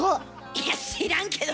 いや知らんけど！